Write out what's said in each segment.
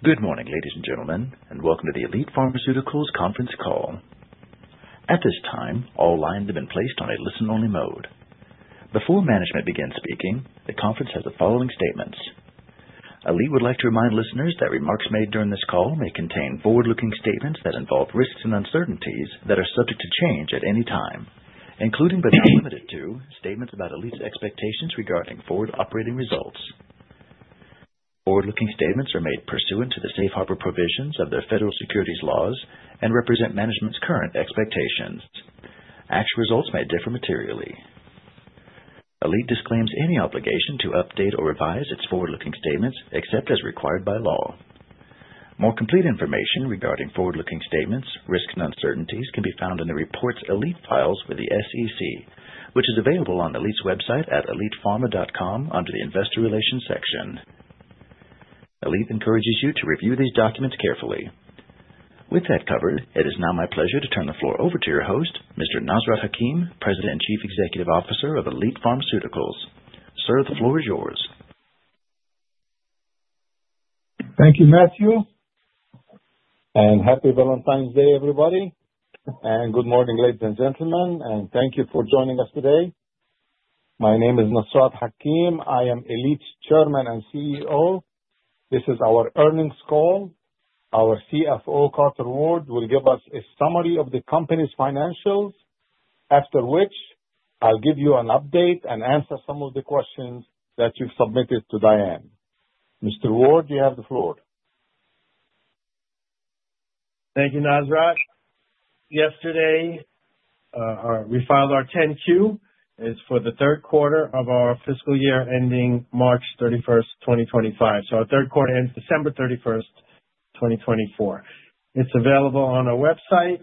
Good morning, ladies and gentlemen, and welcome to the Elite Pharmaceuticals Conference Call. At this time, all lines have been placed on a listen-only mode. Before management begins speaking, the conference has the following statements. Elite would like to remind listeners that remarks made during this call may contain forward-looking statements that involve risks and uncertainties that are subject to change at any time, including but not limited to statements about Elite's expectations regarding forward-operating results. Forward-looking statements are made pursuant to the safe harbor provisions of the federal securities laws and represent management's current expectations. Actual results may differ materially. Elite disclaims any obligation to update or revise its forward-looking statements except as required by law. More complete information regarding forward-looking statements, risks, and uncertainties can be found in the reports Elite files with the SEC, which is available on Elite's website at elitepharma.com under the investor relations section. Elite encourages you to review these documents carefully. With that covered, it is now my pleasure to turn the floor over to your host, Mr. Nasrat Hakim, President and Chief Executive Officer of Elite Pharmaceuticals. Sir, the floor is yours. Thank you, Matthew. And happy Valentine's Day, everybody. And good morning, ladies and gentlemen. And thank you for joining us today. My name is Nasrat Hakim i am Elite's Chairman and CEO. This is our earnings call. Our CFO, Carter Ward, will give us a summary of the company's financials, after which I'll give you an update and answer some of the questions that you've submitted to Diane. Mr. Ward, you have the floor. Thank you, Nasrat. Yesterday, we filed our 10-Q. It's for the Q3 of our fiscal year ending March 31st, 2025. So our Q3 ends December 31st, 2024. It's available on our website,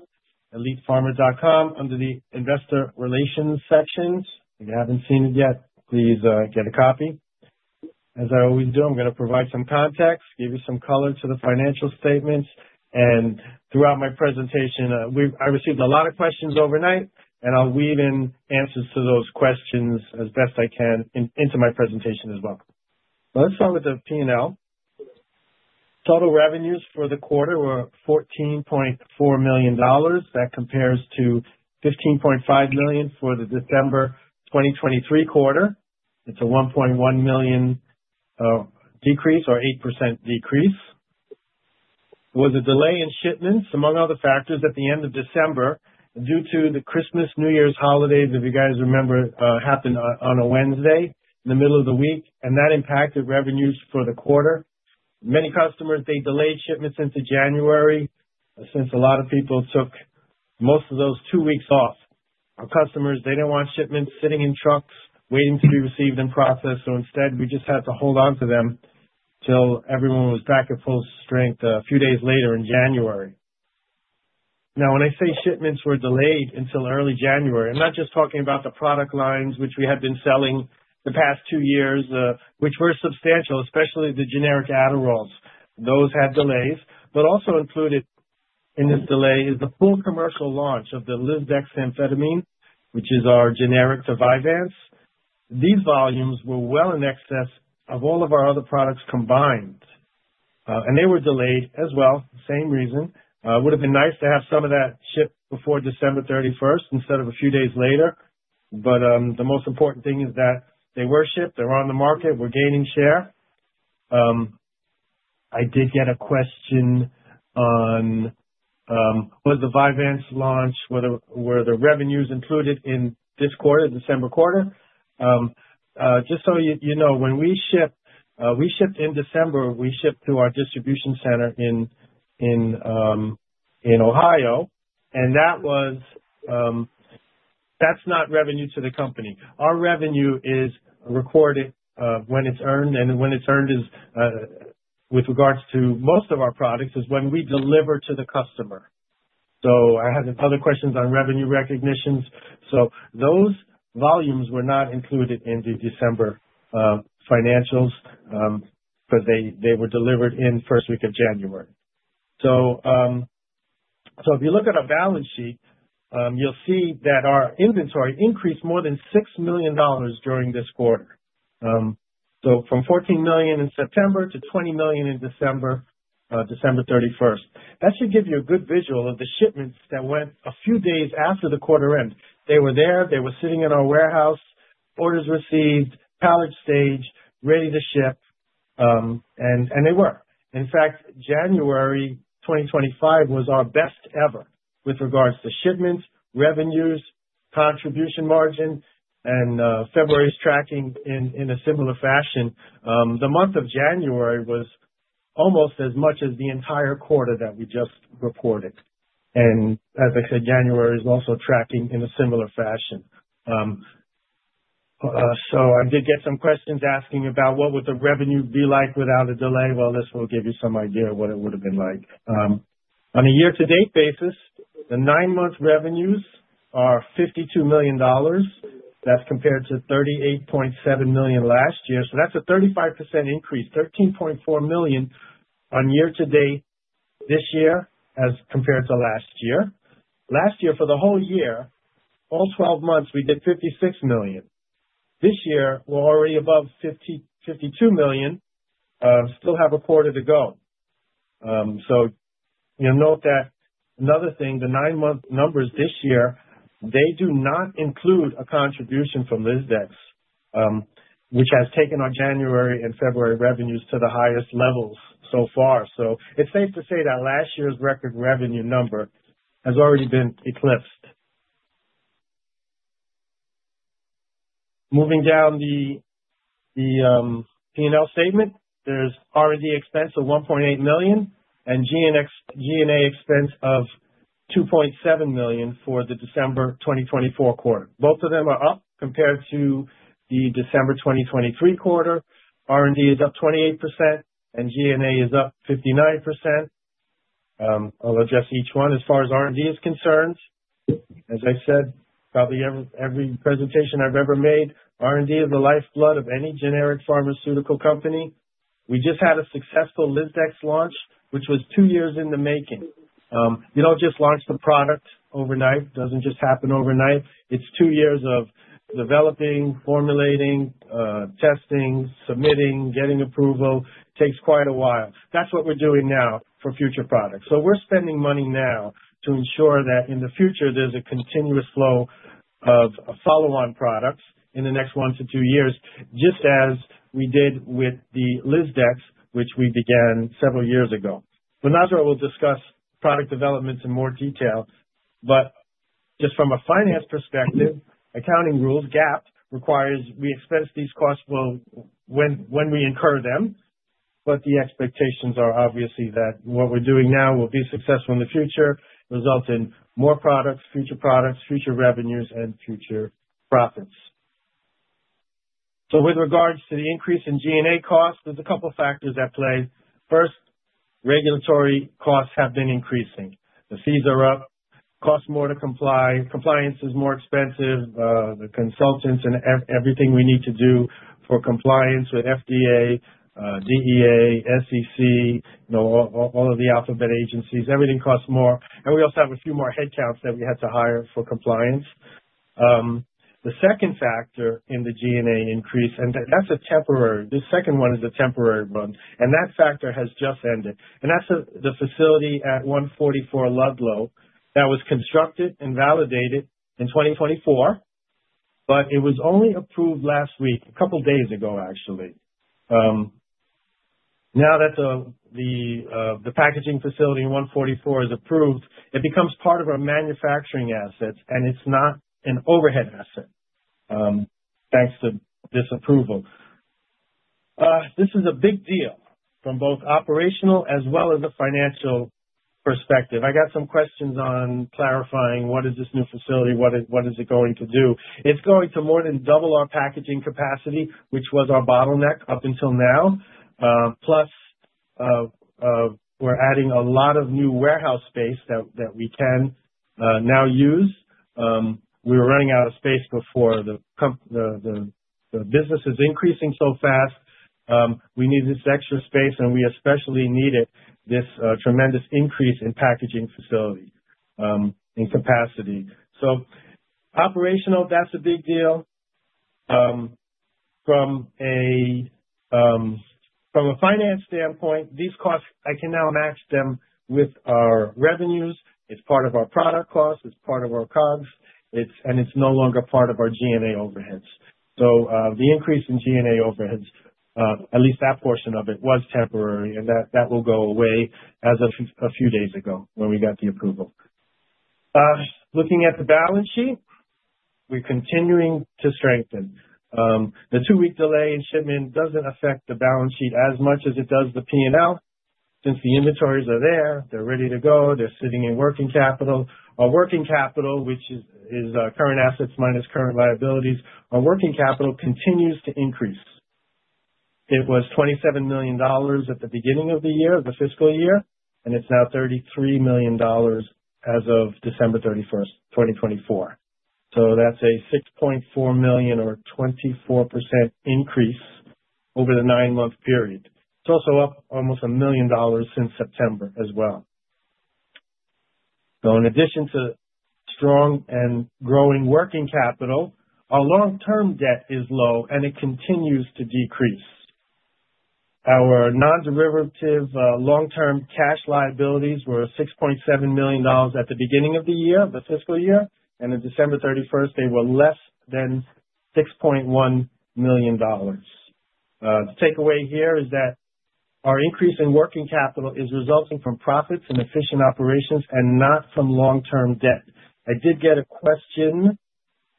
elitepharma.com, under the investor relations sections. If you haven't seen it yet, please get a copy. As I always do, I'm going to provide some context, give you some color to the financial statements. And throughout my presentation, I received a lot of questions overnight, and I'll weave in answers to those questions as best I can into my presentation as well. Let's start with the P&L. Total revenues for the quarter were $14.4 million that compares to $15.5 million for the December 2023 quarter. It's a $1.1 million decrease or 8% decrease. There was a delay in shipments, among other factors, at the end of December due to the Christmas/New Year's holidays, if you guys remember, happened on a Wednesday in the middle of the week, and that impacted revenues for the quarter. Many customers, they delayed shipments into January since a lot of people took most of those two weeks off. Our customers, they didn't want shipments sitting in trucks waiting to be received and processed so instead, we just had to hold on to them till everyone was back at full strength a few days later in January. Now, when I say shipments were delayed until early January, I'm not just talking about the product lines which we had been selling the past two years, which were substantial, especially the generic Adderalls. Those had delays. What's also included in this delay is the full commercial launch of the lisdexamfetamine, which is our generic to Vyvanse. These volumes were well in excess of all of our other products combined. And they were delayed as well, same reason. It would have been nice to have some of that shipped before December 31st instead of a few days later. But the most important thing is that they were shipped they're on the market we're gaining share. I did get a question on, was the Vyvanse launch, were the revenues included in this quarter, December quarter? Just so you know, when we shipped, we shipped in December we shipped to our distribution center in Ohio. And that's not revenue to the company our revenue is recorded when it's earned and when it's earned is, with regards to most of our products, when we deliver to the customer. I had other questions on revenue recognitions. Those volumes were not included in the December financials because they were delivered in the first week of January. If you look at our balance sheet, you'll see that our inventory increased more than $6 million during this quarter. From $14 million in September to $20 million in December, December 31st. That should give you a good visual of the shipments that went a few days after the quarter end. They were there they were sitting in our warehouse, orders received, pallet stage, ready to ship. They were. In fact, January 2025 was our best ever with regards to shipments, revenues, contribution margin, and February's tracking in a similar fashion. The month of January was almost as much as the entire quarter that we just reported. As I said, January is also tracking in a similar fashion. So I did get some questions asking about what would the revenue be like without a delay. Well, this will give you some idea of what it would have been like. On a year-to-date basis, the nine-month revenues are $52 million. That's compared to $38.7 million last year so that's a 35% increase, $13.4 million on year-to-date this year as compared to last year. Last year, for the whole year, all 12 months, we did $56 million. This year, we're already above $52 million. Still have a quarter to go. So note that another thing, the nine-month numbers this year, they do not include a contribution from Lisdex, which has taken our January and February revenues to the highest levels so far. So it's safe to say that last year's record revenue number has already been eclipsed. Moving down the P&L statement, there's R&D expense of $1.8 million and G&A expense of $2.7 million for the December 2024 quarter both of them are up compared to the December 2023 quarter. R&D is up 28%, and G&A is up 59%. I'll address each one as far as R&D is concerned. As I said, probably every presentation I've ever made, R&D is the lifeblood of any generic pharmaceutical company. We just had a successful Lisdexamfetamine launch, which was two years in the making. You don't just launch the product overnight. It doesn't just happen overnight. It's two years of developing, formulating, testing, submitting, getting approval. It takes quite a while. That's what we're doing now for future products we're spending money now to ensure that in the future, there's a continuous flow of follow-on products in the next one to two years, just as we did with the Lisdex, which we began several years ago. Nasrat will discuss product development in more detail. Just from a finance perspective, accounting rules, GAAP, requires we expense these costs when we incur them. The expectations are obviously that what we're doing now will be successful in the future, result in more products, future products, future revenues, and future profits. With regards to the increase in G&A costs, there's a couple of factors at play. First, regulatory costs have been increasing. The fees are up. Costs more to comply compliance is more expensive. The consultants and everything we need to do for compliance with FDA, DEA, SEC, all of the alphabet agencies, everything costs more. And we also have a few more headcounts that we had to hire for compliance. The second factor in the G&A increase, and that's a temporary the second one is a temporary one. And that factor has just ended. And that's the facility at 144 Ludlow that was constructed and validated in 2024. But it was only approved last week, a couple of days ago, actually. Now that the packaging facility in 144 is approved, it becomes part of our manufacturing assets, and it's not an overhead asset thanks to this approval. This is a big deal from both operational as well as a financial perspective. I got some questions on clarifying what is this new facility, what is it going to do. It's going to more than double our packaging capacity, which was our bottleneck up until now. Plus, we're adding a lot of new warehouse space that we can now use. We were running out of space before. The business is increasing so fast. We need this extra space, and we especially needed this tremendous increase in packaging facility and capacity. So operational, that's a big deal. From a finance standpoint, these costs, I can now match them with our revenues. It's part of our product costs it's part of our COGS. And it's no longer part of our G&A overheads. So the increase in G&A overheads, at least that portion of it, was temporary and that will go away as of a few days ago when we got the approval. Looking at the balance sheet, we're continuing to strengthen. The two-week delay in shipment doesn't affect the balance sheet as much as it does the P&L since the inventories are there they're ready to go they're sitting in working capital. Our working capital, which is current assets minus current liabilities, our working capital continues to increase. It was $27 million at the beginning of the year, the fiscal year, and it's now $33 million as of December 31st, 2024. So that's a $6.4 million or 24% increase over the nine-month period. It's also up almost a million dollars since September as well. So in addition to strong and growing working capital, our long-term debt is low, and it continues to decrease. Our non-derivative long-term cash liabilities were $6.7 million at the beginning of the year, the fiscal year. And on December 31st, they were less than $6.1 million. The takeaway here is that our increase in working capital is resulting from profits and efficient operations and not from long-term debt. I did get a question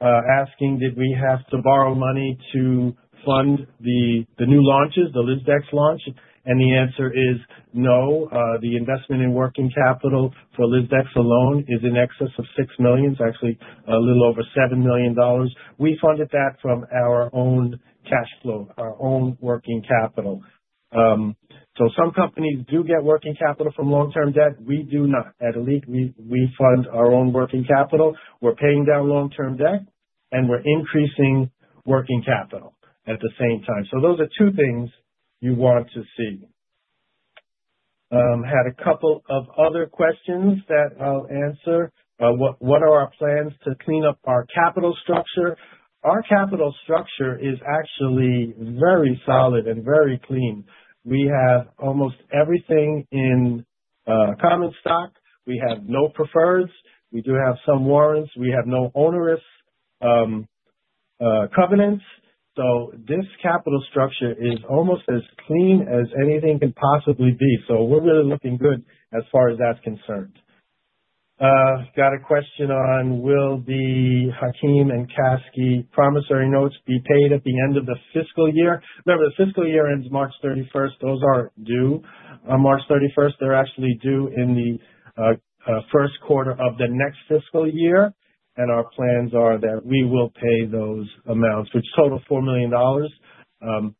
asking, did we have to borrow money to fund the new launches, the Lisdex launch? And the answer is no. The investment in working capital for Lisdex alone is in excess of $6 million. It's actually a little over $7 million we funded that from our own cash flow, our own working capital. So some companies do get working capital from long-term debt. We do not. At Elite, we fund our own working capital. We're paying down long-term debt, and we're increasing working capital at the same time. So those are two things you want to see. Had a couple of other questions that I'll answer. What are our plans to clean up our capital structure? Our capital structure is actually very solid and very clean. We have almost everything in common stock. We have no preferreds. We do have some warrants. We have no onerous covenants, so this capital structure is almost as clean as anything can possibly be, so we're really looking good as far as that's concerned. Got a question on, will the Hakim and Khaski promissory notes be paid at the end of the fiscal year? Remember, the fiscal year ends March 31st those aren't due on March 31st they're actually due in the first quarter of the next fiscal year, and our plans are that we will pay those amounts, which total $4 million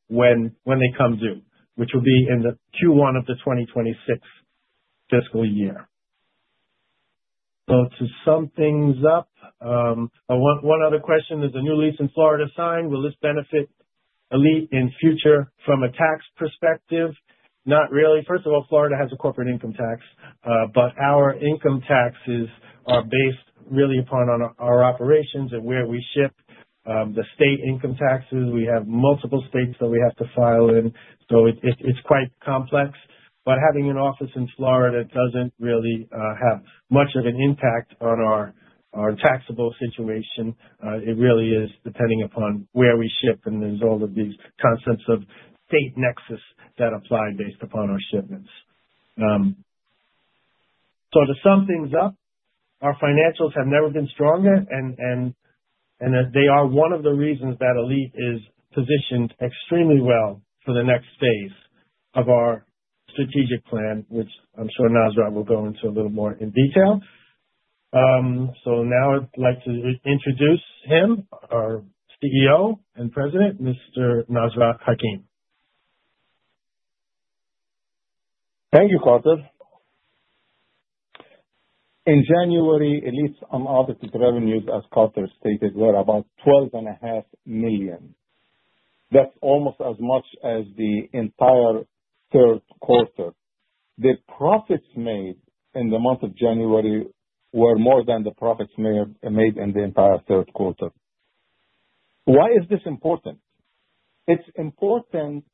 when they come due, which will be in Q1 of the 2026 fiscal year. So to sum things up, one other question. Is a new lease in Florida signed? Will this benefit Elite in future from a tax perspective? Not really first of all, Florida has a corporate income tax. But our income taxes are based really upon our operations and where we ship. The state income taxes, we have multiple states that we have to file in. So it's quite complex. But having an office in Florida doesn't really have much of an impact on our taxable situation. It really is depending upon where we ship. And there's all of these concepts of state nexus that apply based upon our shipments. So to sum things up, our financials have never been stronger. And they are one of the reasons that Elite is positioned extremely well for the next phase of our strategic plan, which I'm sure Nasrat will go into a little more in detail. So now I'd like to introduce him, our CEO and President, Mr. Nasrat Hakim. Thank you, Carter. In January, Elite's unallocated revenues, as Carter stated, were about $12.5 million That's almost as much as the entire Q3. The profits made in the month of January were more than the profits made in the entire Q3. Why is this important? It's important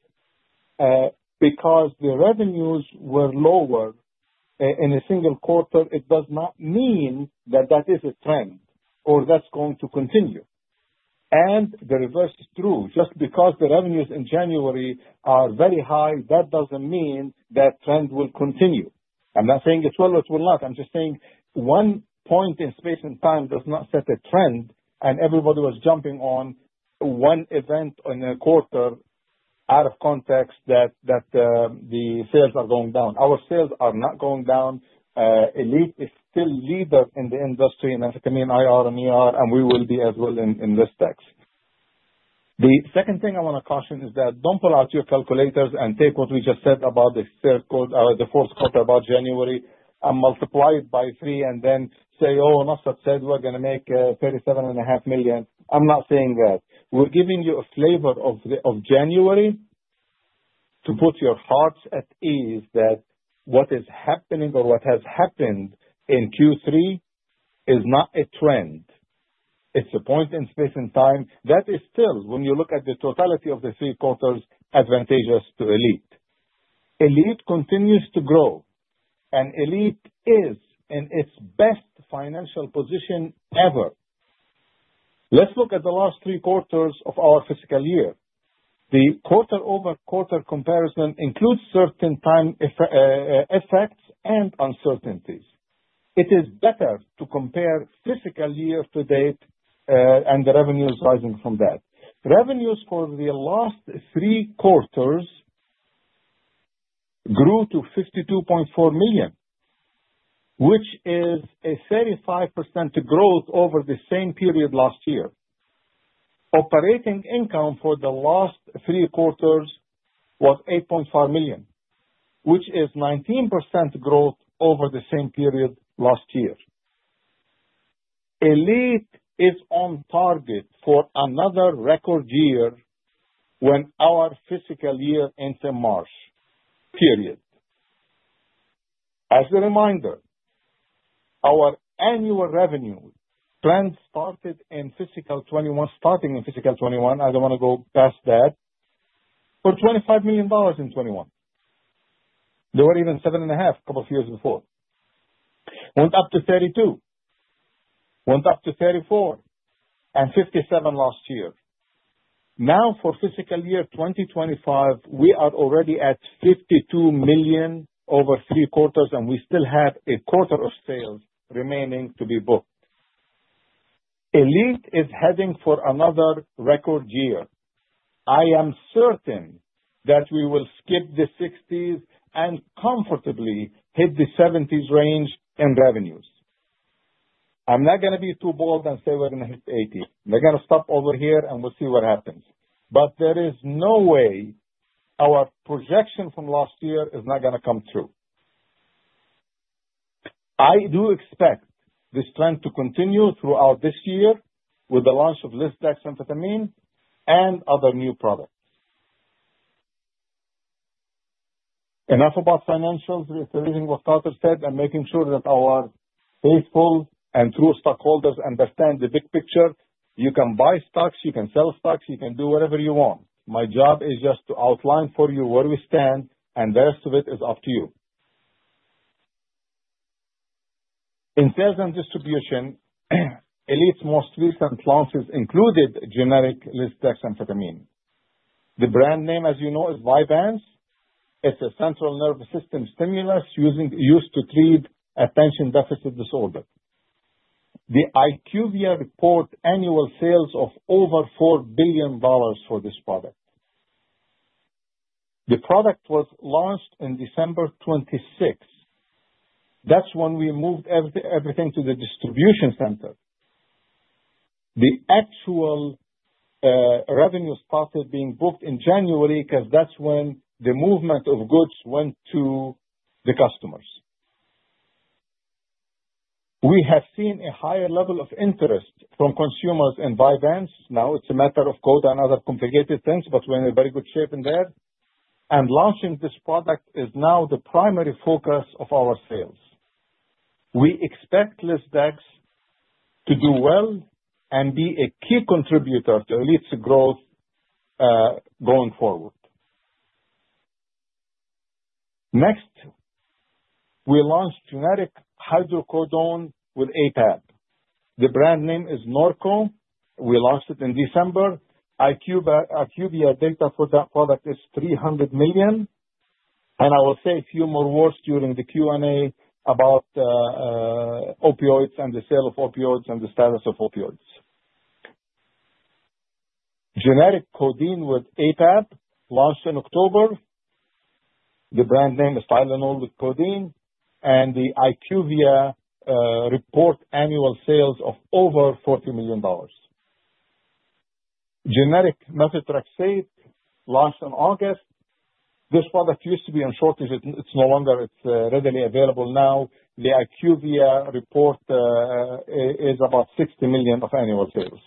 because the revenues were lower in a single quarter. It does not mean that that is a trend or that's going to continue. And the reverse is true. Just because the revenues in January are very high, that doesn't mean that trend will continue. I'm not saying it will or it will not. I'm just saying one point in space and time does not set a trend. And everybody was jumping on one event in a quarter out of context that the sales are going down our sales are not going down. Elite is still leaders in the industry in academia, IR, and we will be as well in Lisdex. The second thing I want to caution is that don't pull out your calculators and take what we just said about the Q4 about January and multiply it by three and then say, "Oh, Nasrat said we're going to make $37.5 million." I'm not saying that. We're giving you a flavor of January to put your hearts at ease that what is happening or what has happened in Q3 is not a trend. It's a point in space and time that is still, when you look at the totality of the three quarters, advantageous to Elite. Elite continues to grow, and Elite is in its best financial position ever. Let's look at the last three quarters of our fiscal year. The quarter-over-quarter comparison includes certain time effects and uncertainties. It is better to compare fiscal year to date and the revenues rising from that. Revenues for the last three quarters grew to $52.4 million, which is a 35% growth over the same period last year. Operating income for the last three quarters was $8.4 million, which is 19% growth over the same period last year. Elite is on target for another record year when our fiscal year ends in March. As a reminder, our annual revenue trend started in fiscal 2021, starting in fiscal 2021 i don't want to go past that, for $25 million in 2021. They were even $7.5 a couple of years before. Went up to $32, went up to $34, and $57 last year. Now, for fiscal year 2025, we are already at $52 million over three quarters, and we still have a quarter of sales remaining to be booked. Elite is heading for another record year. I am certain that we will skip the 60s and comfortably hit the 70s range in revenues. I'm not going to be too bold and say we're going to hit 80 we're going to stop over here, and we'll see what happens. But there is no way our projection from last year is not going to come true. I do expect this trend to continue throughout this year with the launch of Lisdexamfetamine and other new products. Enough about financials. It's everything what Carter said and making sure that our faithful and true stockholders understand the big picture. You can buy stocks you can sell stocks you can do whatever you want. My job is just to outline for you where we stand, and the rest of it is up to you. In sales and distribution, Elite's most recent launches included generic Lisdexamfetamine. The brand name, as you know, is Vyvanse. It's a central nervous system stimulant used to treat attention deficit disorder. The IQVIA reported annual sales of over $4 billion for this product. The product was launched on December 26. That's when we moved everything to the distribution center. The actual revenue started being booked in January because that's when the movement of goods went to the customers. We have seen a higher level of interest from consumers in Vyvanse. Now, it's a matter of COVID and other complicated things, but we're in very good shape in there. And launching this product is now the primary focus of our sales. We expect Lisdexamfetamine to do well and be a key contributor to Elite's growth going forward. Next, we launched generic hydrocodone with APAP. The brand name is Norco. We launched it in December. IQVIA data for that product is $300 million. I will say a few more words during the Q&A about opioids and the sale of opioids and the status of opioids. Generic codeine with APAP launched in October. The brand name is Tylenol with codeine. The IQVIA reported annual sales of over $40 million. Generic Methotrexate launched in August. This product used to be in shortage. It's no longer readily available now. The IQVIA report is about $60 million of annual sales.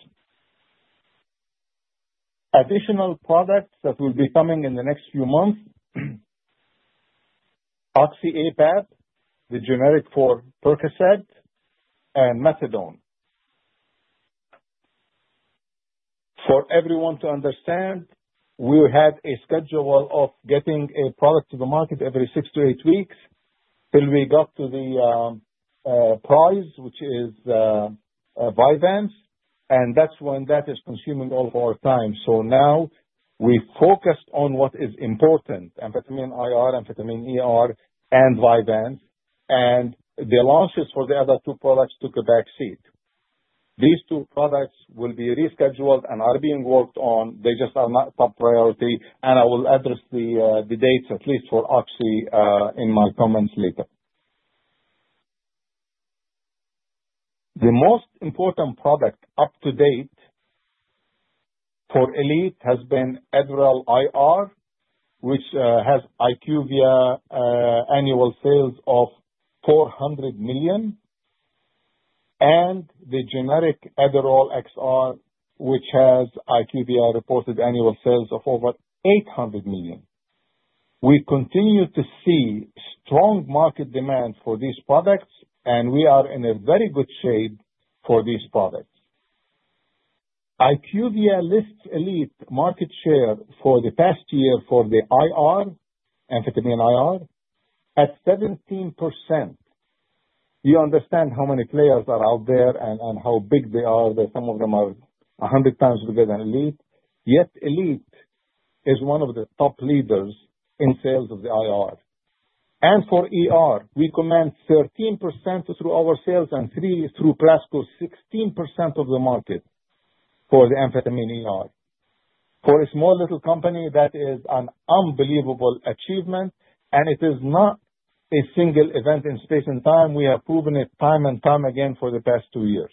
Additional products that will be coming in the next few months: Oxy-APAP, the generic for Percocet, and Methadone. For everyone to understand, we had a schedule of getting a product to the market every six to eight weeks till we got to the prize, which is Vyvanse. That's when that is consuming all of our time. So now we focused on what is important: amphetamine IR, amphetamine and Vyvanse. And the launches for the other two products took a backseat. These two products will be rescheduled and are being worked on they just are not top priority. And I will address the dates, at least for Oxy, in my comments later. The most important product up to date for Elite has been Adderall IR, which has IQVIA annual sales of $400 million, and the generic Adderall XR, which has IQVIA reported annual sales of over $800 million. We continue to see strong market demand for these products, and we are in a very good shape for these products. IQVIA lists Elite market share for the past year for the IR, amphetamine IR, at 17%. You understand how many players are out there and how big they are some of them are 100 times bigger than Elite. Yet Elite is one of the top leaders in sales of the IR. And for we command 13% through our sales and 3% through Prasco, 16% of the market for the amphetamine. For a small little company, that is an unbelievable achievement. And it is not a single event in space and time. We have proven it time and time again for the past two years.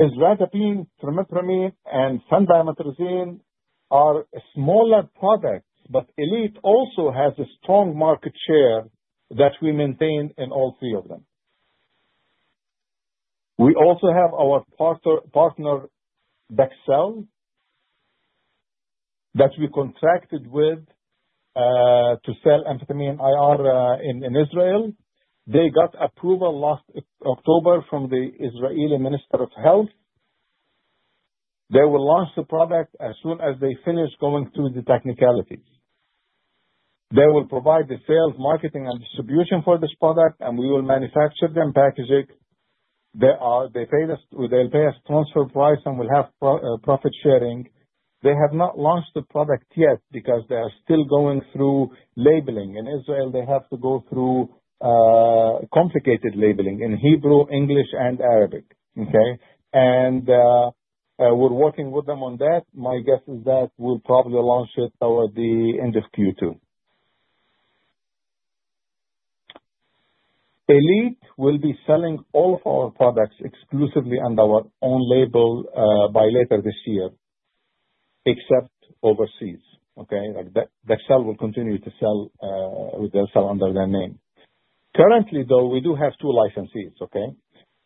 Azathioprine, Trimipramine, and Phendimetrazine are smaller products, but Elite also has a strong market share that we maintain in all three of them. We also have our partner Dexcel that we contracted with to sell amphetamine IR in Israel. They got approval last October from the Israeli Minister of Health. They will launch the product as soon as they finish going through the technicalities. They will provide the sales, marketing, and distribution for this product, and we will manufacture them, package it. They'll pay us transfer price and we'll have profit sharing. They have not launched the product yet because they are still going through labeling in Israel, they have to go through complicated labeling in Hebrew, English, and Arabic. Okay? And we're working with them on that my guess is that we'll probably launch it toward the end of Q2. Elite will be selling all of our products exclusively under our own label by later this year, except overseas. Okay? Dexcel will continue to sell with Dexcel under their name. Currently, though, we do have two licensees. Okay?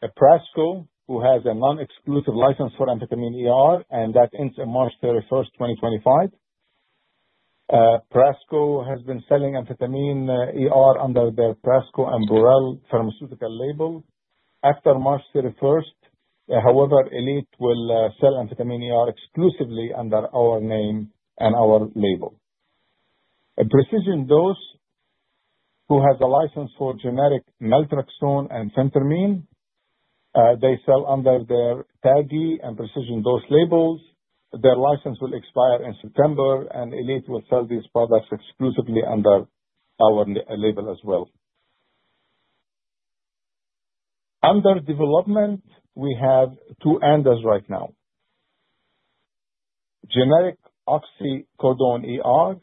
Prasco, who has a non-exclusive license for amphetamine and that ends on March 31, 2025. Prasco has been selling amphetamine under their Prasco and Burel Pharmaceuticals label. After March 31, however, Elite will sell amphetamine exclusively under our name and our label. At Precision Dose, who has a license for generic naltrexone and phentermine, they sell under their TAGI and Precision Dose labels. Their license will expire in September, and Elite will sell these products exclusively under our label as well. Under development, we have two ANDAs right now. Generic oxycodone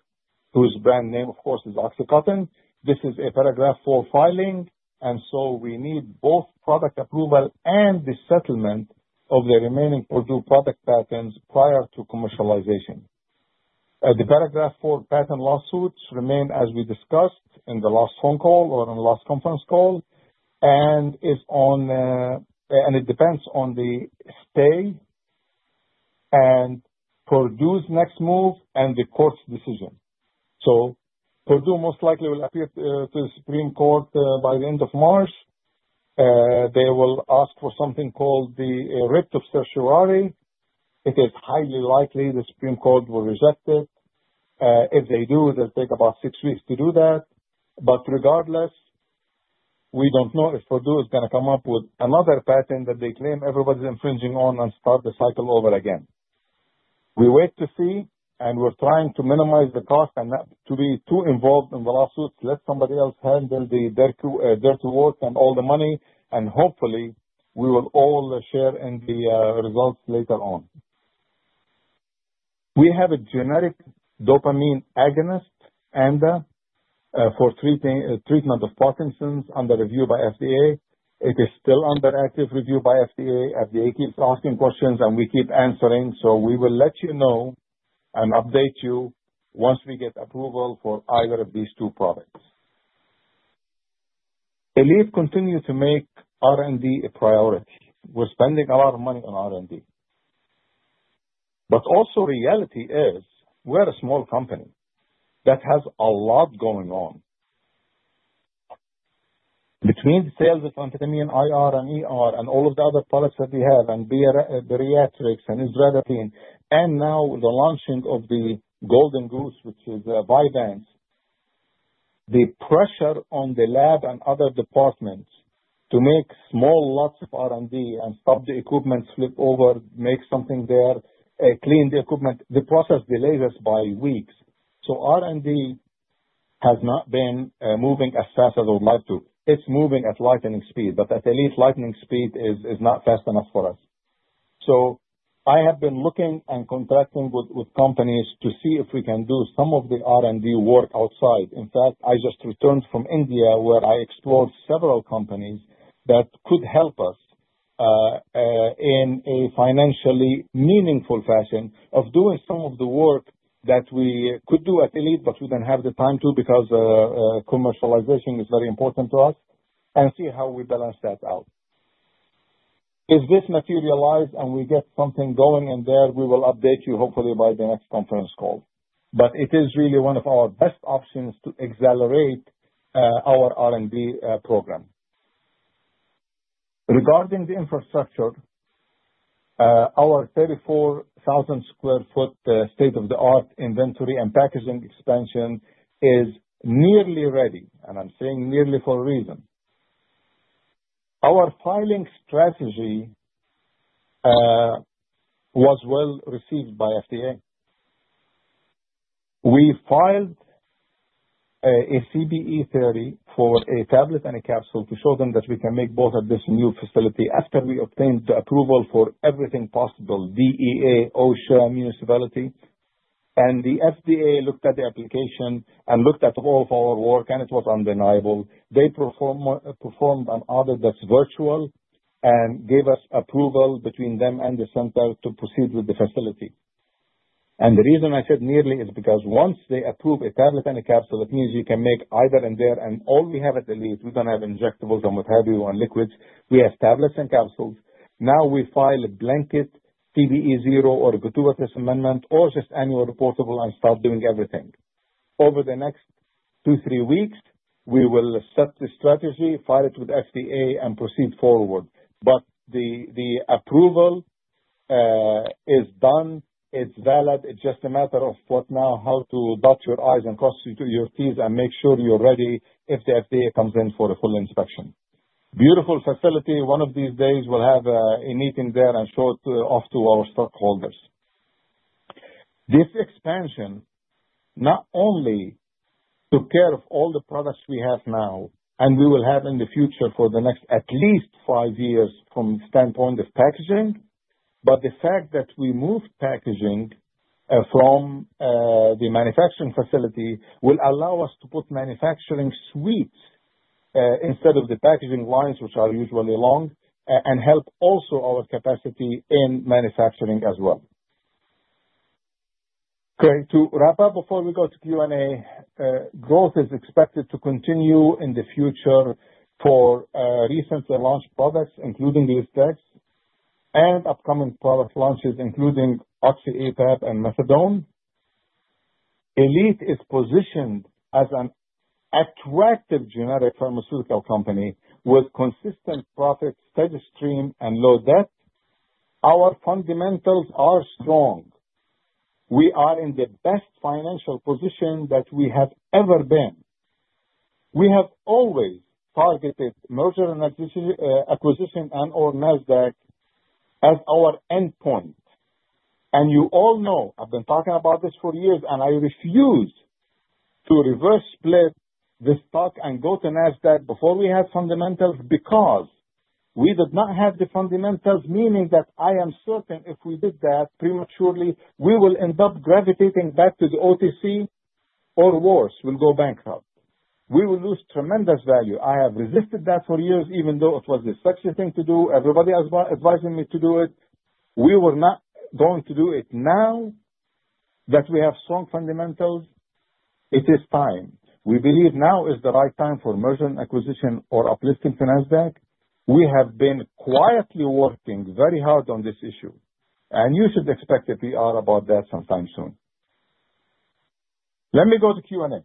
whose brand name, of course, is OxyContin. This is a Paragraph IV filing, and so we need both product approval and the settlement of the remaining Purdue product patents prior to commercialization. The Paragraph IV patent lawsuits remain, as we discussed in the last phone call or in the last conference call, and it depends on the stay and Purdue's next move and the court's decision. Purdue most likely will appeal to the Supreme Court by the end of March. They will ask for something called the writ of certiorari. It is highly likely the Supreme Court will reject it. If they do, it'll take about six weeks to do that. But regardless, we don't know if Purdue is going to come up with another patent that they claim everybody's infringing on and start the cycle over again. We wait to see, and we're trying to minimize the cost and not to be too involved in the lawsuits. Let somebody else handle the dirty work and all the money, and hopefully, we will all share in the results later on. We have a generic dopamine agonist, ANDA, for treatment of Parkinson's under review by FDA. It is still under active review by FDA, FDA keeps asking questions, and we keep answering so we will let you know and update you once we get approval for either of these two products. Elite continues to make R&D a priority. We're spending a lot of money on R&D. Also, reality is we're a small company that has a lot going on. Between the sales of amphetamine IR and all of the other products that we have and bariatrics and azathioprine and now the launching of the Golden Goose, which is Vyvanse. The pressure on the lab and other departments to make small lots of R&D and stop the equipment flipover, make something there, clean the equipment, the process delays us by weeks. So R&D has not been moving as fast as I would like to. It's moving at lightning speed, but at Elite, lightning speed is not fast enough for us. So I have been looking and contracting with companies to see if we can do some of the R&D work outside. In fact, I just returned from India, where I explored several companies that could help us in a financially meaningful fashion of doing some of the work that we could do at Elite, but we don't have the time to because commercialization is very important to us, and see how we balance that out. If this materialized and we get something going in there, we will update you hopefully by the next conference call. But it is really one of our best options to accelerate our R&D program. Regarding the infrastructure, our 34,000 sq ft state-of-the-art inventory and packaging expansion is nearly ready, and I'm saying nearly for a reason. Our filing strategy was well received by FDA. We filed a CBE30 for a tablet and a capsule to show them that we can make both at this new facility after we obtained the approval for everything possible: DEA, OSHA, municipality. And the FDA looked at the application and looked at all of our work, and it was undeniable. They performed an audit that's virtual and gave us approval between them and the center to proceed with the facility. And the reason I said nearly is because once they approve a tablet and a capsule, it means you can make either in there and all we have at Elite, we don't have injectables and what have you on liquids. We have tablets and capsules. Now we file a blanket CBE0 or a gratuitous amendment or just annual reportable and start doing everything. Over the next two, three weeks, we will set the strategy, file it with FDA, and proceed forward. But the approval is done. It's valid. It's just a matter of now how to dot your I's and cross your T's and make sure you're ready if the FDA comes in for a full inspection. Beautiful facility one of these days, we'll have a meeting there and show it off to our stockholders. This expansion not only took care of all the products we have now and we will have in the future for the next at least five years from the standpoint of packaging, but the fact that we moved packaging from the manufacturing facility will allow us to put manufacturing suites instead of the packaging lines, which are usually long, and help also our capacity in manufacturing as well. Okay. To wrap up before we go to Q&A, growth is expected to continue in the future for recently launched products, including Lisdex and upcoming product launches, including Oxy-APAP and methadone. Elite is positioned as an attractive generic pharmaceutical company with consistent profits, steady stream, and low debt. Our fundamentals are strong. We are in the best financial position that we have ever been. We have always targeted merger and acquisition and/or Nasdaq as our endpoint, and you all know I've been talking about this for years, and I refuse to reverse split the stock and go to Nasdaq before we have fundamentals because we did not have the fundamentals, meaning that I am certain if we did that prematurely, we will end up gravitating back to the OTC or worse, we'll go bankrupt. We will lose tremendous value. I have resisted that for years, even though it was the sexy thing to do. Everybody advised me to do it. We were not going to do it now that we have strong fundamentals. It is time. We believe now is the right time for merger and acquisition or uplifting to Nasdaq. We have been quietly working very hard on this issue, and you should expect a PR about that sometime soon. Let me go to Q&A.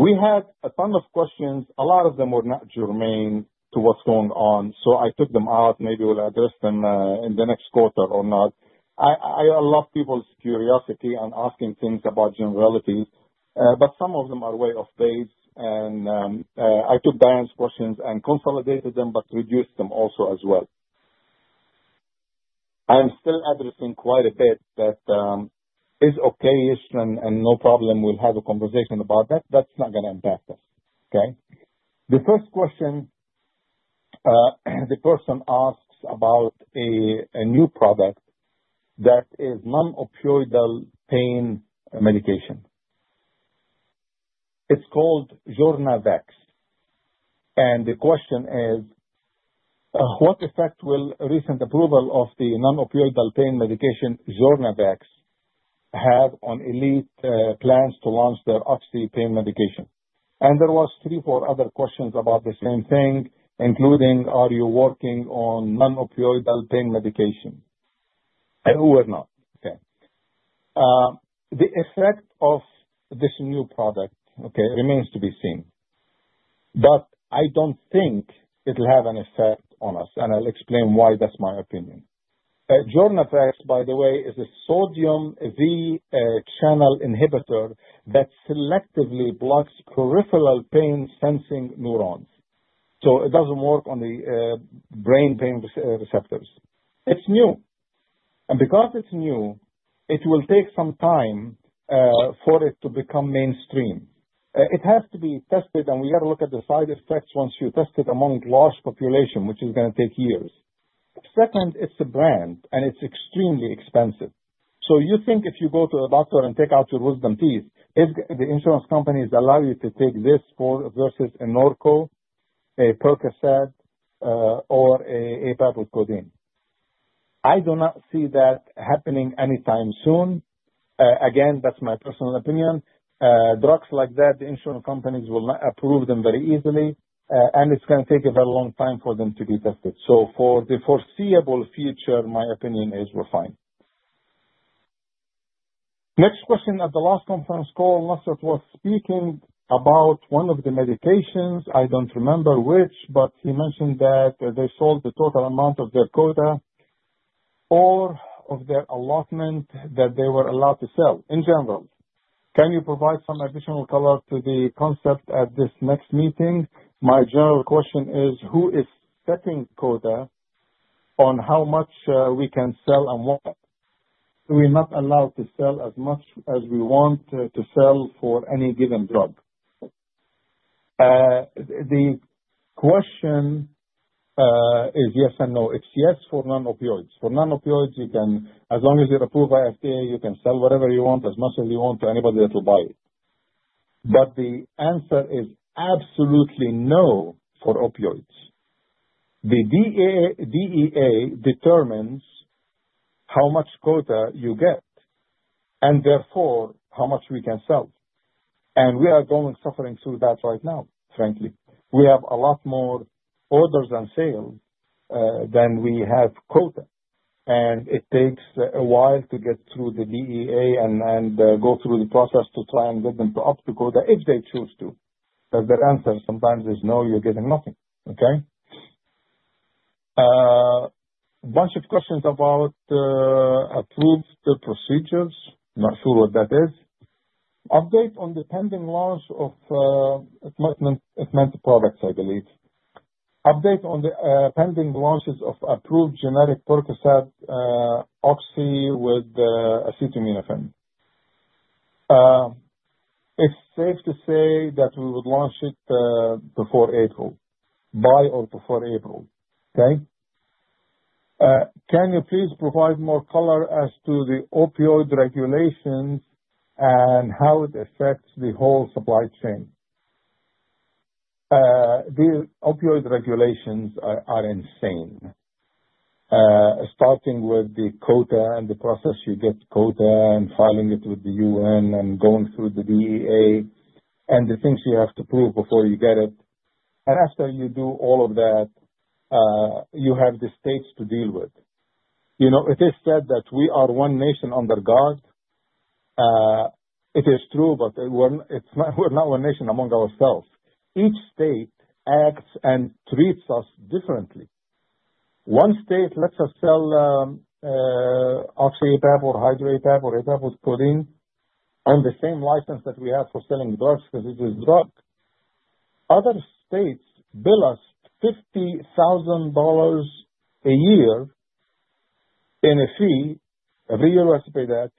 We had a ton of questions a lot of them were not germane to what's going on, so I took them out maybe we'll address them in the next quarter or not. I love people's curiosity and asking things about generalities, but some of them are way off base, and I took Diane's questions and consolidated them but reduced them also as well. I'm still addressing quite a bit that is okayish and no problem we'll have a conversation about that, That's not going to impact us. Okay? The first question the person asks about a new product that is non-opioid pain medication. It's called JOURNAVX, and the question is, what effect will recent approval of the non-opioid pain medication JOURNAVX have on Elite's plans to launch their Oxy pain medication, and there were three or four other questions about the same thing, including, are you working on non-opioid pain medication? We're not. Okay? The effect of this new product, okay, remains to be seen, but I don't think it'll have an effect on us, and I'll explain why that's my opinion. JOURNAVX, by the way, is a sodium V channel inhibitor that selectively blocks peripheral pain-sensing neurons, so it doesn't work on the brain pain receptors. It's new. Because it's new, it will take some time for it to become mainstream. It has to be tested, and we got to look at the side effects once you test it among a large population, which is going to take years. Second, it's a brand, and it's extremely expensive. So you think if you go to a doctor and take out your wisdom teeth, the insurance companies allow you to take this versus a Norco, a Percocet, or an APAP with codeine? I do not see that happening anytime soon. Again, that's my personal opinion. Drugs like that, the insurance companies will not approve them very easily, and it's going to take a very long time for them to be tested so for the foreseeable future, my opinion is we're fine. Next question at the last conference call, Nasrat was speaking about one of the medications. I don't remember which, but he mentioned that they sold the total amount of their quota or of their allotment that they were allowed to sell in general. Can you provide some additional color to the concept at this next meeting? My general question is, who is setting quota on how much we can sell and what? We're not allowed to sell as much as we want to sell for any given drug. The question is yes and no. It's yes for non-opioids for non-opioids, you can, as long as you're approved by FDA, you can sell whatever you want, as much as you want, to anybody that will buy it. But the answer is absolutely no for opioids. The DEA determines how much quota you get and therefore how much we can sell. We are suffering through that right now, frankly. We have a lot more orders and sales than we have quota. It takes a while to get through the DEA and go through the process to try and get them to up the quota if they choose to. But the answer sometimes is no, you're getting nothing. Okay? A bunch of questions about approved procedures. Not sure what that is. Update on the pending launch of imminent products, I believe. Update on the pending launches of approved generic Percocet, Oxy with acetaminophen. It's safe to say that we would launch it before April, by or before April. Okay? Can you please provide more color as to the opioid regulations and how it affects the whole supply chain? The opioid regulations are insane, starting with the Quota and the process you get Quota and filing it with the UN and going through the DEA and the things you have to prove before you get it. After you do all of that, you have the states to deal with. It is said that we are one nation under God. It is true, but we're not one nation among ourselves. Each state acts and treats us differently. One state lets us sell Oxy-APAP or Hydro-APAP or APAP with codeine on the same license that we have for selling drugs because it is drug. Other states bill us $50,000 a year in a fee. Every year we have to pay that.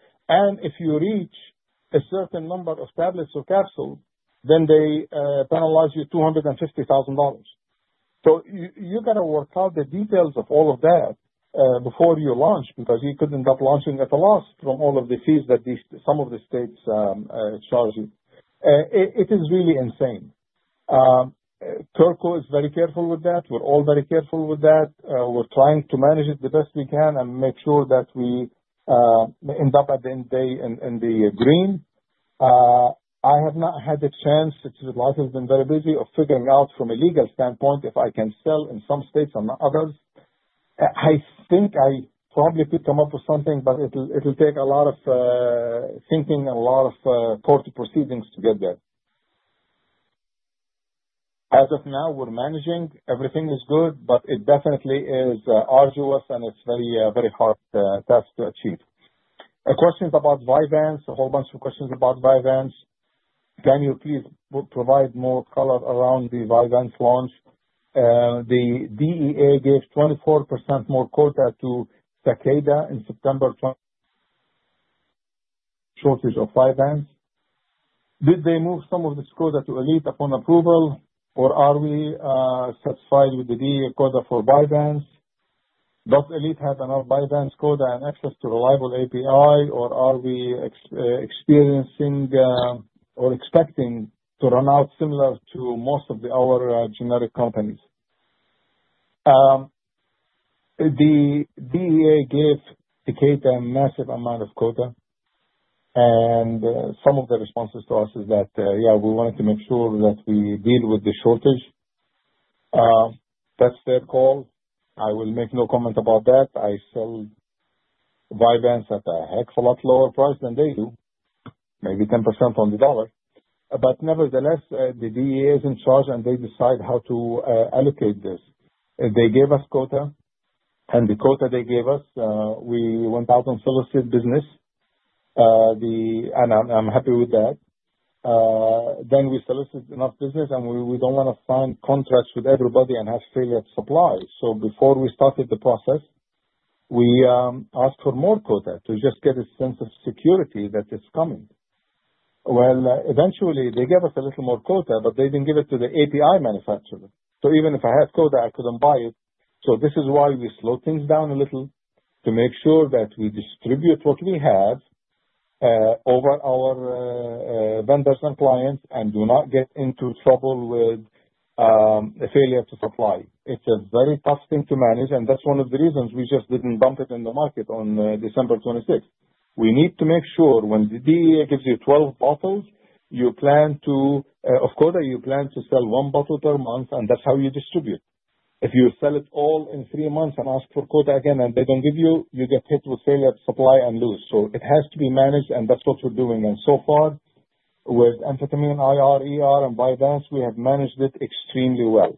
If you reach a certain number of tablets or capsules, then they penalize you $250,000. So you got to work out the details of all of that before you launch because you could end up launching at a loss from all of the fees that some of the states charge you. It is really insane. Turco is very careful with that. We're all very careful with that. We're trying to manage it the best we can and make sure that we end up at the end of the day in the green. I have not had a chance. It's been very busy of figuring out from a legal standpoint if I can sell in some states and not others. I think I probably could come up with something, but it'll take a lot of thinking and a lot of court proceedings to get there. As of now, we're managing, Everything is good, but it definitely is arduous, and it's a very hard task to achieve. Questions about Vyvanse? A whole bunch of questions about Vyvanse. Can you please provide more color around the Vyvanse launch? The DEA gave 24% more quota to Takeda in September, shortage of Vyvanse. Did they move some of this quota to Elite upon approval, or are we satisfied with the DEA quota for Vyvanse? Does Elite have enough Vyvanse quota and access to reliable API, or are we experiencing or expecting to run out similar to most of our generic companies? The DEA gave Takeda a massive amount of quota, and some of the responses to us is that, yeah, we wanted to make sure that we deal with the shortage. That's their call. I will make no comment about that, I sell Vyvanse at a heck of a lot lower price than they do, maybe 10% on the dollar. But nevertheless, the DEA is in charge, and they decide how to allocate this. They gave us quota, and the quota they gave us, we went out and solicited business, and I'm happy with that. Then we solicited enough business, and we don't want to sign contracts with everybody and have failure to supply. So before we started the process, we asked for more quota to just get a sense of security that it's coming. Well, eventually, they gave us a little more quota, but they didn't give it to the API manufacturer. So even if I had quota, I couldn't buy it. So this is why we slow things down a little to make sure that we distribute what we have over our vendors and clients and do not get into trouble with failure to supply. It's a very tough thing to manage, and that's one of the reasons we just didn't dump it in the market on December 26th. We need to make sure when the DEA gives you 12 bottles of quota, you plan to sell one bottle per month, and that's how you distribute. If you sell it all in three months and ask for quota again and they don't give you, you get hit with failure to supply and lose. So it has to be managed, and that's what we're doing and so far, with amphetamine IR, and Vyvanse, we have managed it extremely well.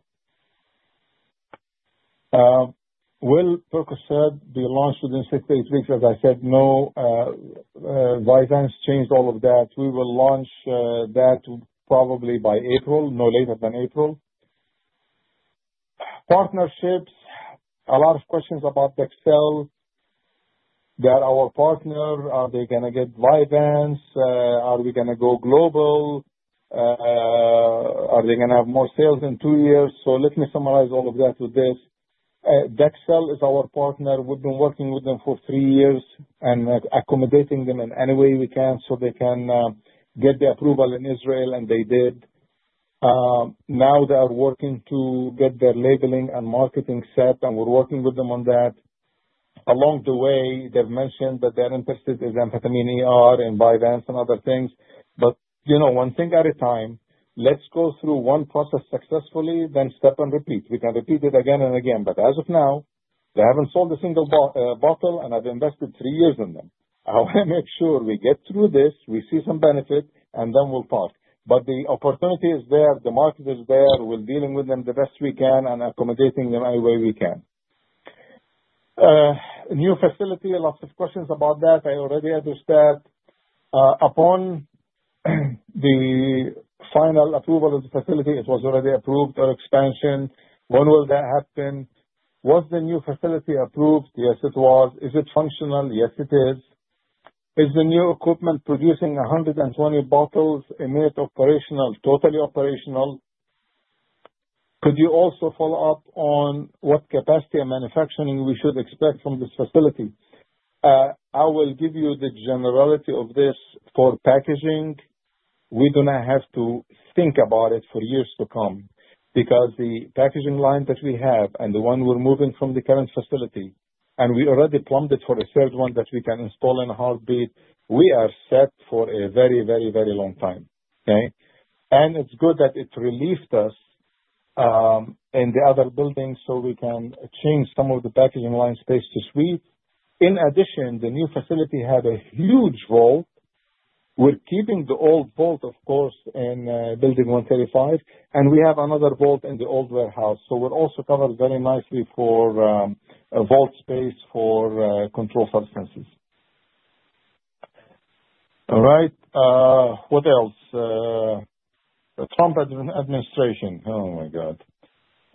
Will Percocet be launched within six to eight weeks? As I said, no. Vyvanse changed all of that. We will launch that probably by April, no later than April. Partnerships. A lot of questions about Dexel. They are our partner. Are they going to get Vyvanse? Are we going to go global? Are they going to have more sales in two years? So let me summarize all of that with this. Dexcel is our partner. We've been working with them for three years and accommodating them in any way we can so they can get the approval in Israel, and they did. Now they are working to get their labeling and marketing set, and we're working with them on that. Along the way, they've mentioned that they're interested in amphetamine, and Vyvanse and other things. But one thing at a time. Let's go through one process successfully, then step and repeat. We can repeat it again and again but as of now, they haven't sold a single bottle, and I've invested three years in them. I want to make sure we get through this, we see some benefit, and then we'll talk. But the opportunity is there, The market is there, We're dealing with them the best we can and accommodating them any way we can. New facility. Lots of questions about that, I already addressed that. Upon the final approval of the facility, it was already approved for expansion. When will that happen? Was the new facility approved? Yes, it was. Is it functional? Yes, it is. Is the new equipment producing 120 bottles a minute operational, totally operational? Could you also follow up on what capacity and manufacturing we should expect from this facility? I will give you the generality of this for packaging. We do not have to think about it for years to come because the packaging line that we have and the one we're moving from the current facility, and we already plumbed it for a third one that we can install in a heartbeat. We are set for a very, very, very long time. Okay? And it's good that it relieved us in the other building so we can change some of the packaging line space to suite. In addition, the new facility had a huge vault. We're keeping the old vault, of course, in Building 135, and we have another vault in the old warehouse so we're also covered very nicely for vault space for controlled substances. All right. What else? Trump administration. Oh my God.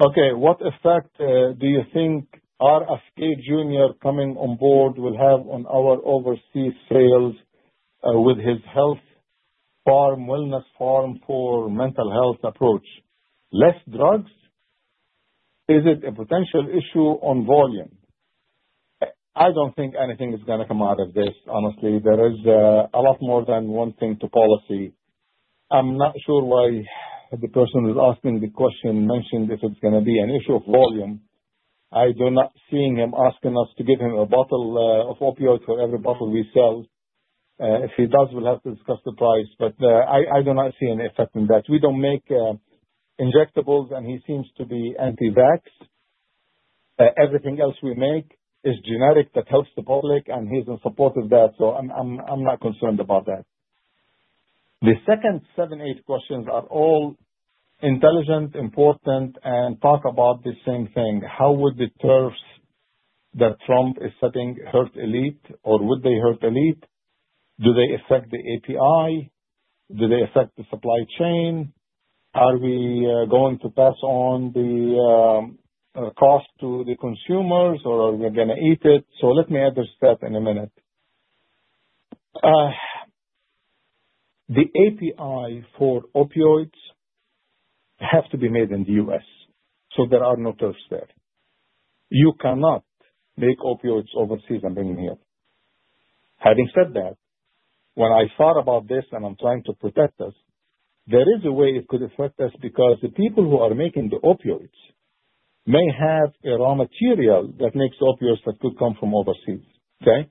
Okay. What effect do you think RFK Jr. coming on board will have on our overseas sales with his health reform, wellness reform for mental health approach? Less drugs? Is it a potential issue on volume? I don't think anything is going to come out of this, honestly. There is a lot more than one thing to policy. I'm not sure why the person who's asking the question mentioned if it's going to be an issue of volume. I do not see him asking us to give him a bottle of opioid for every bottle we sell. If he does, we'll have to discuss the price, But I do not see any effect in that. We don't make injectables, and he seems to be anti-vax. Everything else we make is generic that helps the public, and he's in support of that, So I'm not concerned about that. The second seven, eight questions are all intelligent, important, and talk about the same thing, How would the tariff that Trump is setting hurt Elite, or would they hurt Elite? Do they affect the API? Do they affect the supply chain? Are we going to pass on the cost to the consumers, or are we going to eat it? So let me address that in a minute. The API for opioids has to be made in the U.S., so there are no tariffs there. You cannot make opioids overseas and bring them here. Having said that, when I thought about this and I'm trying to protect us, there is a way it could affect us because the people who are making the opioids may have a raw material that makes opioids that could come from overseas. Okay?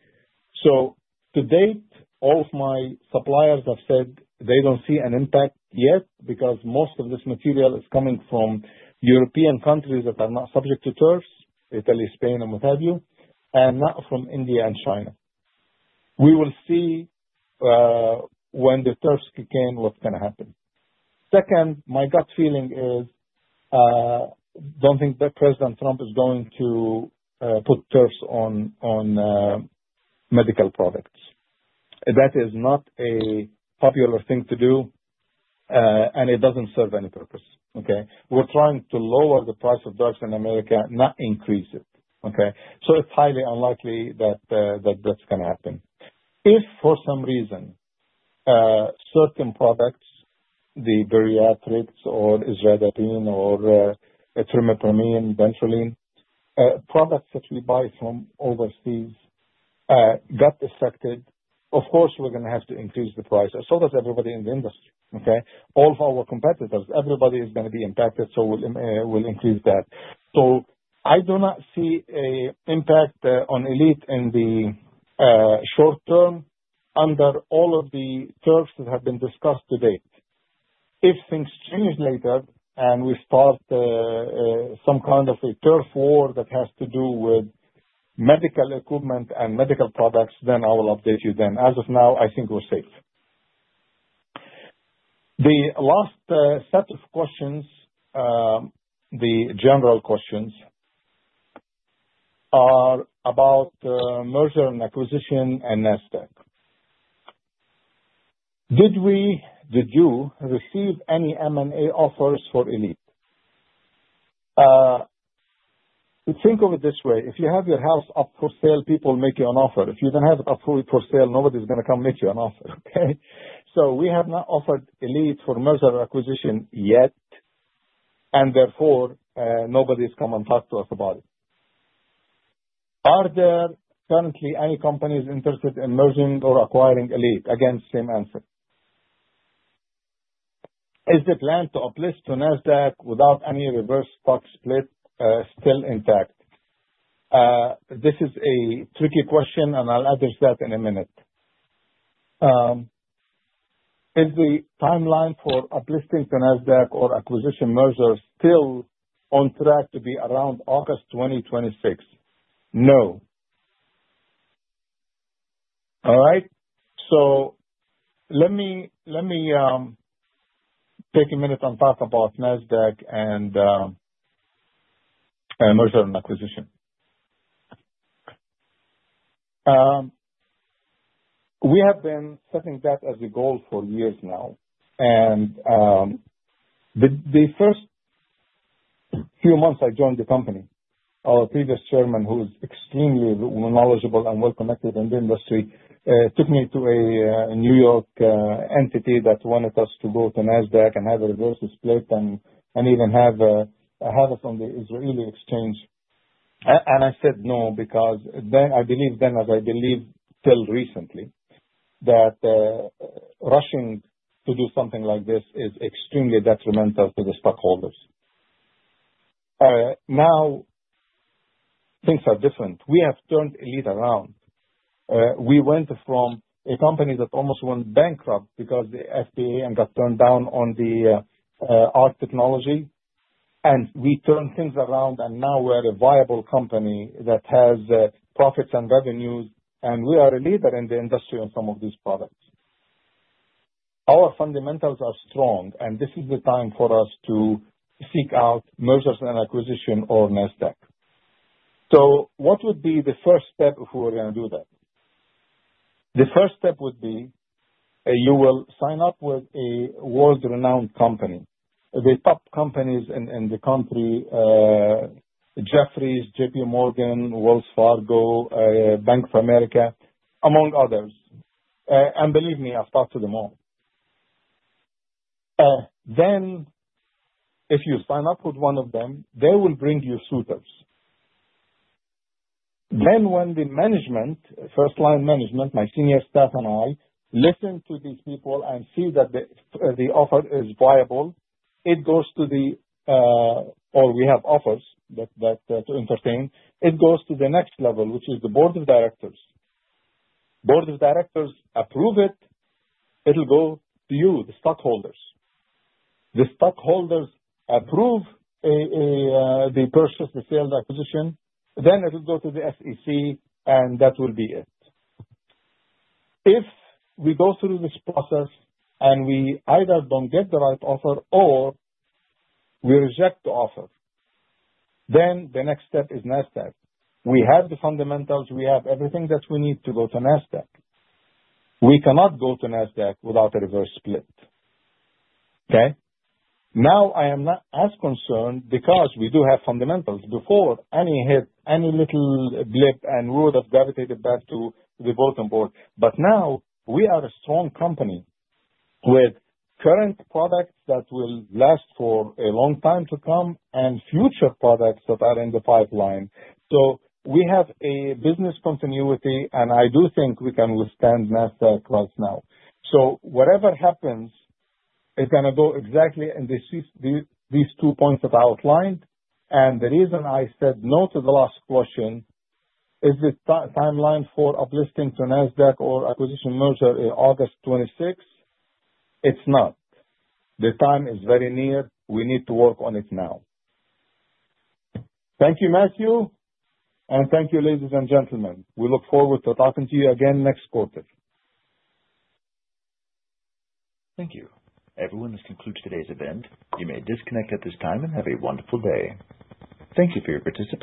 So to date, all of my suppliers have said they don't see an impact yet because most of this material is coming from European countries that are not subject to tariffs, Italy, Spain, and what have you, and not from India and China. We will see when the tariffs become, what's going to happen. Second, my gut feeling is I don't think that President Trump is going to put tariffs on medical products. That is not a popular thing to do, and it doesn't serve any purpose. Okay? We're trying to lower the price of drugs in America, not increase it. Okay? So it's highly unlikely that that's going to happen. If for some reason certain products, the bariatrics or Isradipine or Trimipramine, Venlafaxine, products that we buy from overseas got affected, of course, we're going to have to increase the price. I sold it to everybody in the industry. Okay? All of our competitors, everybody is going to be impacted, so we'll increase that. So I do not see an impact on Elite in the short term under all of the tariffs that have been discussed to date. If things change later and we start some kind of a turf war that has to do with medical equipment and medical products, then I will update you then as of now, I think we're safe. The last set of questions, the general questions, are about merger and acquisition and Nasdaq. Did you receive any M&A offers for Elite? Think of it this way if you have your house up for sale, people make you an offer, If you don't have it up for sale, nobody's going to come make you an offer. Okay? So we have not offered Elite for merger acquisition yet, and therefore nobody's come and talked to us about it. Are there currently any companies interested in merging or acquiring Elite? Again, same answer. Is the plan to uplift to Nasdaq without any reverse stock split still intact? This is a tricky question, and I'll address that in a minute. Is the timeline for uplifting to Nasdaq or acquisition merger still on track to be around August 2026? No. All right? So let me take a minute and talk about Nasdaq and merger and acquisition. We have been setting that as a goal for years now. And the first few months I joined the company, our previous chairman, who is extremely knowledgeable and well-connected in the industry, took me to a New York entity that wanted us to go to Nasdaq and have a reverse split and even have us on the Israeli exchange. And I said no because I believe then, as I believe till recently, that rushing to do something like this is extremely detrimental to the stockholders. Now things are different. We have turned Elite around. We went from a company that almost went bankrupt because the FDA got turned down on the art technology, and we turned things around and now we're a viable company that has profits and revenues, and we are a leader in the industry on some of these products. Our fundamentals are strong, and this is the time for us to seek out mergers and acquisition or Nasdaq. What would be the first step if we were going to do that? The first step would be you will sign up with a world-renowned company, the top companies in the country, Jefferies, J.P. Morgan, Wells Fargo, Bank of America, among others. And believe me, I've talked to them all. Then if you sign up with one of them, they will bring you suitors. Then when the management, first-line management, my senior staff and I listen to these people and see that the offer is viable, it goes to the, or we have offers to entertain, it goes to the next level, which is the board of directors. Board of directors approve it. It'll go to you, the stockholders. The stockholders approve the purchase, the sale, the acquisition. Then it'll go to the SEC, and that will be it. If we go through this process and we either don't get the right offer or we reject the offer, then the next step is Nasdaq. We have the fundamentals, We have everything that we need to go to Nasdaq. We cannot go to Nasdaq without a reverse split. Okay? Now, I am not as concerned because we do have fundamentals before any hit, any little blip, and we would have gravitated back to the board and board but now we are a strong company with current products that will last for a long time to come and future products that are in the pipeline. So we have a business continuity, and I do think we can withstand Nasdaq right now. So whatever happens, it's going to go exactly in these two points that I outlined. And the reason I said no to the last question is the timeline for uplifting to Nasdaq or acquisition merger is August 26th. It's not. The time is very near, We need to work on it now. Thank you, Matthew. And thank you, ladies and gentlemen. We look forward to talking to you again next quarter. Thank you. Everyone, this concludes today's event. You may disconnect at this time and have a wonderful day. Thank you for your participation.